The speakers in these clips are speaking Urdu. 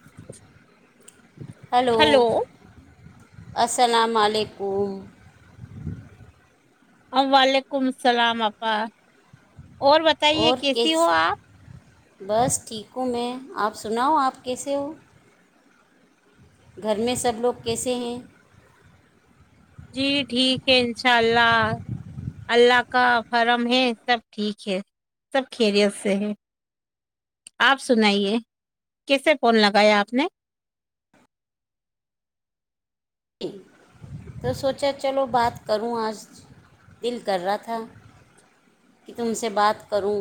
[inaudible] ہلو السلام علیکم وعلیکم السلام آپا اور بتائیے اور کیسی ہو کیس آپ بس ٹھیک ہوں میں آپ سناؤ آپ کیسے ہو گھر میں سب لوگ کیسے ہیں جی ٹھیک ہے انشاء اللہ اللہ کا فرم ہے سب ٹھیک ہے سب خیریت سے ہے آپ سنائیے کیسے فون لگایا آپ نے تو سوچا چلو بات کروں آج دل کر رہا تھا کہ تم سے بات کروں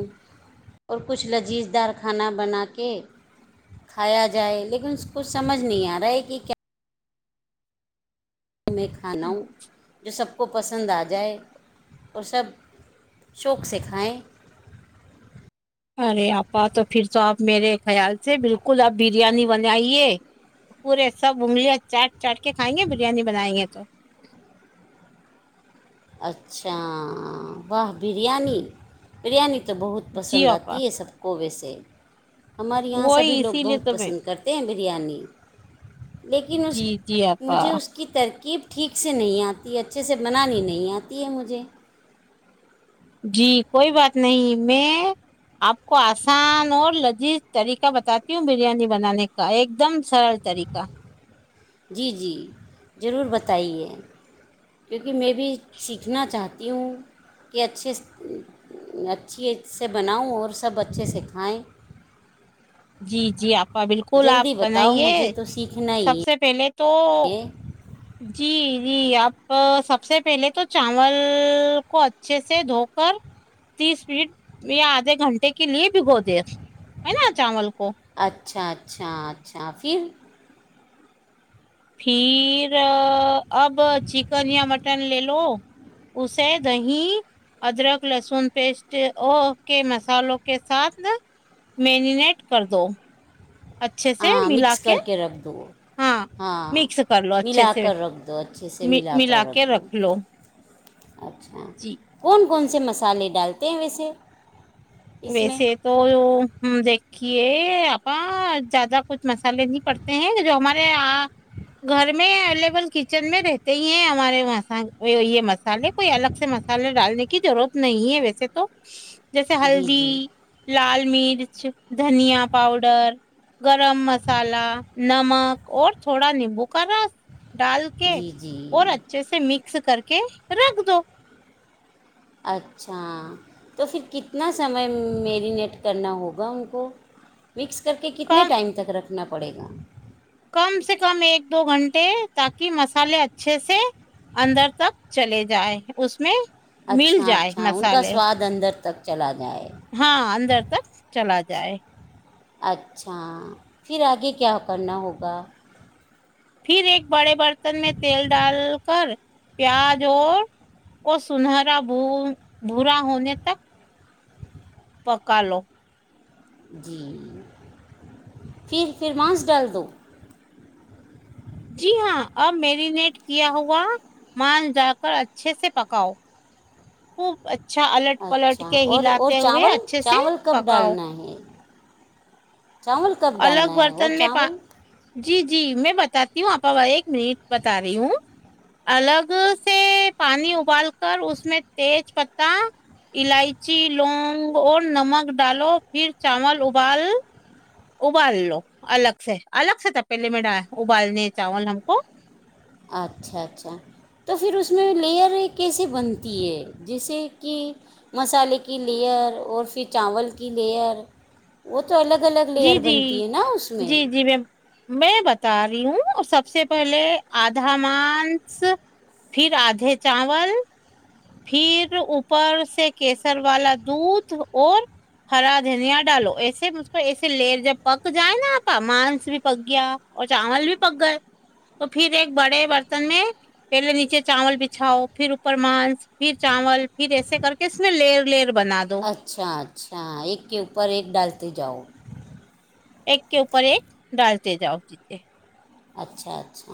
اور کچھ لذیذ دار کھانا بنا کے کھایا جائے لیکن اس ک سمجھ نہیں آ رہا ہے کہ کیا وں میں کھاناوں جو سب کو پسند آ جائے اور سب شوق سے کھائیں ارے آپا تو پھر تو آپ میرے خیال سے بالکل آپ بریانی بنائیے پورے سب انگلیاں چاٹ چاٹ کے کھائیں گے بریانی بنائیں گے تو اچھا واہ بریانی بریانی تو بہت جی پسند آپا آتی ہے سب کو ویسے ایکین ہمارے یہاں سبھی وہی لوگ اسی لیے بہت تو میں پسند کرتے ہیں بریانی لیکن جی جی آپا مجھے اس کی ترکیب ٹھیک سے نہیں آتی اچھے سے بنانی نہیں ہے مجھ جی کوئی بات نہیں میں آپ کو آسان اور لذیذ طریقہ بتاتی ہوں بریانی بنانے کا ایک دم سرل طریقہ جی جی ضرور بتائیے کیونکہ کہ میں بھی سیکھنا چاہتی ہوں کیوں کہ اچھے اچھیے سے بناؤں اور سب اچھے سےکھھائیں جی جی آا بالکل آپ بتاؤ بنائیے مجھے تو سیکھنا سب ہی سے پہلے دو ہے جی جی آپ سب سے پہلے تو چاول کو اچھے سے دھو کر تیس منٹ یا آدھے گھنٹے کے لیے بھگو د ہے نا چاول کو اچھا اچھا اچھا پھر پھر اب چکن یا مٹن لے لو ل اسے دہی ادرک لہسن پیسٹ او کے مسالوں کے ساتھ میرینیٹ کر دو اچھے سے ملا مکس کر کے رکھ دو ہاں مکس کر لو اچھے ملا سے کر رکھ دو اچھے سے ملا کر رکھ دو اچھا جی کون کون سے مسالے ڈالتے ہیں ویسے اس میں ویسے تو دیک یہ آپا زیادہ کچھ مسالے نہیں پڑتے ہیں جو ہمارے گھر میں اویلیبل کچن میں رہتے ہی ہیں ہمارے وہ یہ مسالے کوئی الگ سے مسالے ڈالنے کی ضرورت نہیں ہے ویسے تو جیسے ہل جی ج جی لال [unintelligible] مرچ دھنیا پاؤڈر گرم مسالہ نمک اور تھوڑا نیمبو کا رس ڈال کے جی اور جی اچھے سے مکس کر کے رکھ دو [unintelligible] اچھا تو پھر کتنا سمے میرینیٹ کرنا ہوگا ان کو مکس کر کے کتنے کم ٹائم تک رکھ اٹنا پڑے گا [unintelligible] کم سے کم ایک دو گھنٹے تاکہ مسالے اچھے سے اندر تک چلے جائیں اس میں مل اچھا جائے اچھا ان کا مسالے سواد اندر تک چلا جائے [unintelligible] ہاں اندر تک چلا جائے اچھا پھر آگے کیا کرنا ہوگا پھر ایک بڑے برتن میں تیل ڈال کر پیاز اور کو سنہرا بھورا ہونے تک پکالو [unintelligible] جی پھر پھر مانس ڈال دو جی ہاں اب میرینیٹ کیا ہوا مانج ڈال کر اچھے سے پکاؤ خوب ا اچھا الٹ پلٹ اچھا کے اور اور ہلاتے ہوئے چاول اچھے سے چاول کب پکاؤ ڈالنا ہے چاول کب ڈالنا الگ ہے اور برتن میں چاول جی جی میں بتا [unintelligible] بتاتی ہوں آپ ایک منٹ بتا رہی ہوں الگ سے پانی ابال کر اس میں تیج پتتا الائچی لونگ اور نمک ڈالو پھر چاول ابال [unintelligible] ابال لو الگ سے الگ سے تھا پہلے م ابالنے چاول ہم کو اچھا اچھا تو پھر اس میں لیئر کیسے بنتی ہے جیسے کہ مسالے کی لیئر اور پھر چاول کی لیئر وہ تو الگ الگ جی لیئر جی بنتی ہے نا اس میں جی جی میں میں بتا رہی ہوں اور سب سب سے پہلے آدھا مانس پھر آدھے چاول پھر اوپر سے کیسر والا دودھ اور ہرا دھنیا ڈالو ایسے مجھ کو ایسے لر جب پک جائے نا آپ مانس بھی پک گیا اور چاول بھی پک گئے تو پھر ایک بڑے برتن میں پہلے نیچے چاول بچھاؤ پھر اوپر مانس پھر چاول پھر ایسے کر کے اس میں لر لر اچھا اچھا ایک کے اوپر ایک ڈالتے جاؤ ایک کے اوپر ایک ڈالتے جاؤ دییے اچھا اچھا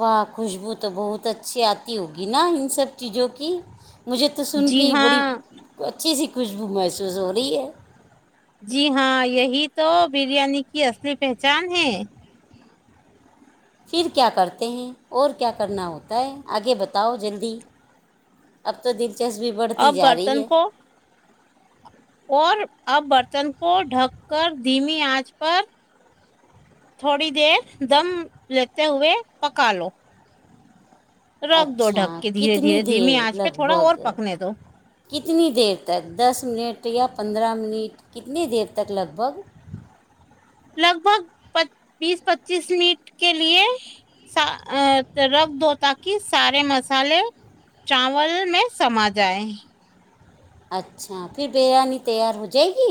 واہ خوشبو تو بہت اچھی آتی ہوگی نا ان سب چیزوں کی مجھے تو سن جی کے بڑی ہاں اچھی سی خوشبو محسوس ہو رہی ہے جی ہاں یہی تو بریانی کی اصلی پہچان ہے پھر کیا کرتے ہیں اور کیا کرنا ہوتا ہے آگے بتاؤ جلدی اب تو دل دلچسپی بڑھتی اب جا رہی برتن ہے کو اور اب برتن کو ڈھک کر دھیمی آنچ پر تھوڑی دیر دم لیتے ہوئے پکا لو رکھ دو اچھا ڈھک کے دھیرے کتنی دھیرے دیر دھیمی آنچ پہ لگ تھوڑا بھگ اور پکنے دو کتنی دیر تک دس منٹ یا پندرہ منٹ کتنی دیر تک لگ بھگ لگ بھگ بیس پچیس منٹ کے لیئے رکھ دو تاکہ سارے مسالے چاول میں سما جائے اچھا پھر بریانی تیار ہو جائے گی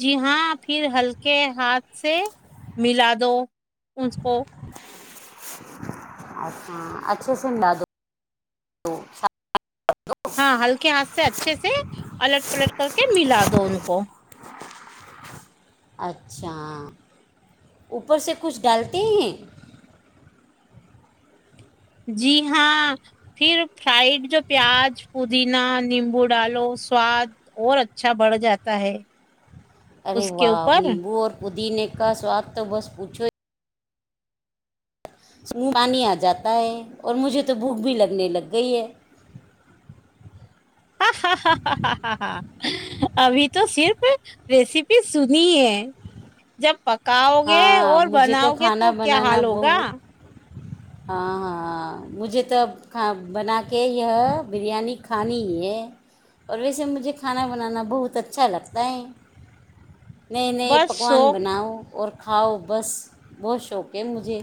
جی ہاں پھر ہلکے ہاتھ سے ملا دو اس کو اچھا اچھا سنڈا دو ہاں ہلکے ہاتھ سے اچھے سے سے الٹ پلٹ کر کے ملا دو ان کو اچھا اوپر سے کچھ ڈالتے ہیں جی ہاں پھر فرائڈ جو پیاز پودینہ نیمبو ڈالو سواد اور اچھا بڑھ جاتا ہے ارے اس کے واہ اوپر نیمبو اور پوچھ دینے کا سواد تو بس پوچھو ہی منہ پانی آ جاتا ہے اور مجھے تو بھوک بھی لگنے لگ گئی ہے ہاں ہ ہ ہ ہ ہ ابھی تو صرف ریسیپی سنی ہے جب پک کاؤ گے ہاں اور مجھے بناؤ گے کھانا تو کیا بنانا حال ہوگا بہت ہاں ہاں مجھے تو اب کھ بنا کے یہ بریانی کھانی ہی ہے اور ویسے مجھے کھانا بنانا بہت اچھا لگتا ہے نئے نئے بس پکوان سو بناؤ اور کھاؤ بس بہت شوق ہے مجھے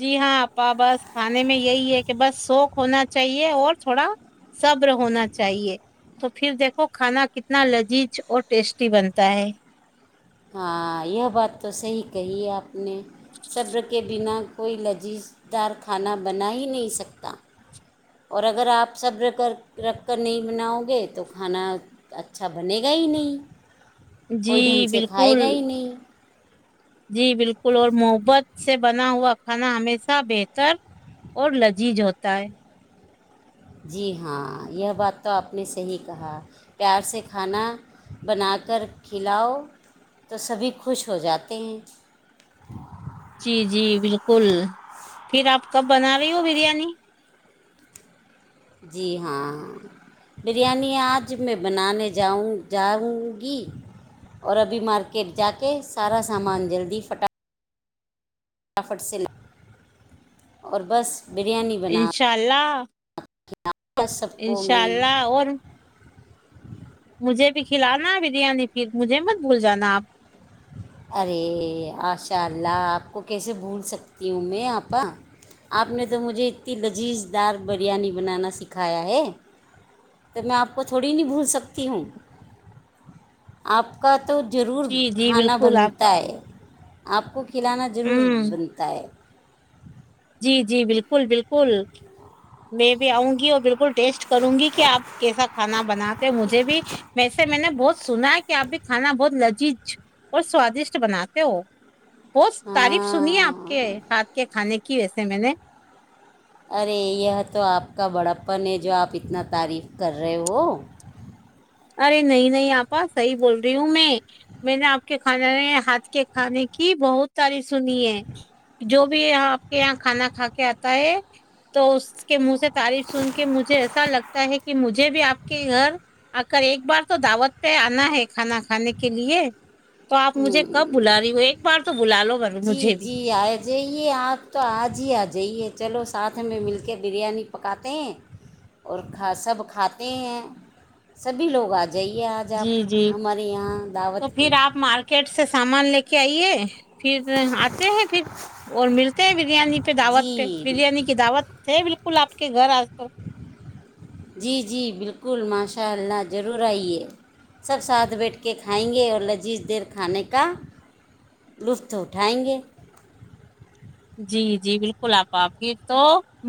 جی ہاں اا بس کھانے میں یہی ہے کہ بس سوق ہونا چاہیے اور تھوڑا صبر ہونا چاہیے تو پھر دیکھو کھانا کتنا لذیذ اور ٹیسٹی بنتا ہے ہاں یہ بات تو صحیح کہیے آپ سبر کے بنا کوئی لذیذ دار کھانا بنا ہی نہیں سکتا اور اگر آپ سب کر رکھ کر نہیں بناؤ گے تو کھانا اچھا بنے گا ہی نہیں جی کوئی ڈھنگ سے کھائے بالکل گا ہی نہیں جی بالکل اور محبت سے بنا ہوا کھانا ہمیشہ بہتر اور لذیذ ہوتا ہے جی ہاں یہ بات تو آپ نے صحیح کہا پیار سے کھانا بنا کر کھلاؤ تو سبھی خوش ہو جاتے ہیں جی جی بالکل پھر آپ کب بنا رہی ہو بریانی جی ہاں ہاں بریانی آج میں بنانے جاؤں جاؤں گی اور ابھی مارکیٹ جا کے سارا سامان جلدی پھٹا مٹافٹ سے ل اور بس انشاء اللہ ہ انشاء اللہ اور مجھے بھی کھلانا ہے بریانی پھر مجھے مت بھول جانا آپ ارے آشاء اللہ آپ کو کیسے بھول سکتی ہوں میں آپا آپ نے تو مجھے اتنی لذیذ دار بریانی بنانا سکھایا ہے تو میں آپ کو تھوڑی نہیں بھول سکتی ہوں آپ کا تو ضرور جی جی کھانا بالکل آپ بنتا ہے آپ کو کھلانا ضرور ہ بنتا ہے جی جی بالکل بالکل میں بھی آؤں گی اور بالکل ٹیسٹ کروں گی کہ آپ کیسا کھانا بناتے ہو مجھے بھی ویسے میں نے بہت سنا ہے کہ آپ بھی کھانا بہت نذیذ اور سوادشٹ بناتے ہو بہت تعریف سنیے آپ ہاں کے ہاتھ کے کھانے کی کی آس م نے ارے یہ تو آپ کا بڑپن ہے جو آپ اتنا تعریف کر رہے ہو ارے نہیں نہیں آپا صحیح بول رہی ہوں میں میں نے آپ کے کھانے ہاتھ کے کھانے کی بہت تعریف سنی ہے جو بھی آپ کے یہاں کھانا کھا کے آتا ہے تو اس کے منہ سے تعریف سن کے مجھے ایسا لگتا ہے کہ مجھے بھی آپ کے گھر اگر ایک بار تو دعوت پہ آنا ہے کھانا کھانے کے لیے تو آپ مجھے ہ کب بلا رہی ہو ایک بار تو بلا لو جی مجھے بھی جی آ جائیے آپ تو آج ہی آ جائیے چلو ساتھ میں مل کے بریانی پکاتے ہیں اور کھا سب کھاتے ہیں سبھی لوگ آجے جائیے آج آپ جی جی ہمارے یہاں دعوت پہ کٹ سے سامان لے کے آئیے پھر آتے ہیں پھر اور ملتے ہیں بریانی پہ دعوت پہ جی بریانی کی دعوت ہے بالک کل آپ کے گھر آ جی جی بالکل ماس ان شاء اللہ ضرور آئیے سب ساتھ بیٹھ کے کھائیں گے اور لذیذ دیر کھانے کا لطف اٹھائیں گے جی جی بالکل آپ پھر تو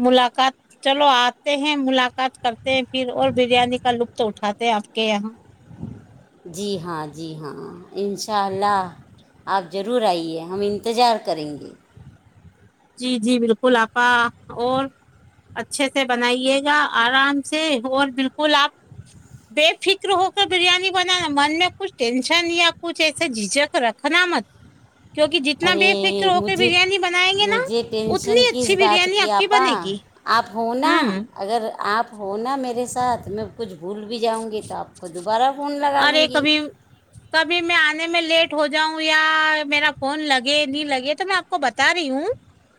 ملاقات چلو آتے ہیں ملاقات کرتے ہیں پھر اور بریانی کا لطف اٹھاتے ہیں آپ کے یہاں جی ہاں جی ہاں ان شاء اللہ آپ ضرور آئیے ہم انتظار کریں گے جی جی بالکل آپا اور اچھے سے بنائیے گا آرام سے اور بالکل آپ بے فکر ہو کر بریانی بنانا من میں کچھ ٹینشن یا کچھ ایسے جھجھک رکھنا مت کیوںکہ جتنا بے فکر ارے ہو کر مجھے بریانی بنائیں گے نا مجھے ٹینشن اتنی کس اچھی بات بریانی کی آپ آپا بنے گی آپ ہو نا ہوں اگر آپ ہو نا میرے ساتھ میں کچھ بھول بھی جاؤں گی تو آپ خود اوررے کبھی کبھی میں آنے میں لیٹ ہو جاؤں یا میرا فون لگے نہیں لگے تو میں آپ کو بتا رہی ہوں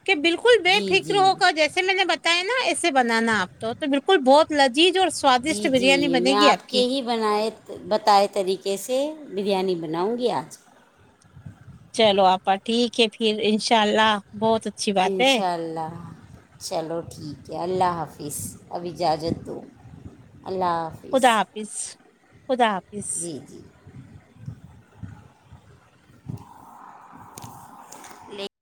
کہ بالکل بے جی فکر جی ہوا جیسے میں نے ب ہے نا ایے بنانا آپ تو بالکل بہت ل جی جو سوادشٹ جی بریانی جی بنے میں گی آپ کی کے ہی بنائے بتائے طریقے سے بریانی بناؤں گی آج چلو آپا ٹھیک ہے پھر انشاء اللہ بہت اچھی بات ان ہے شاء اللہ چلو ٹھیک ہے اللہ حافظ اب اجازت دو اللہ حافظ خداپظ خداپظ ل [inaudible]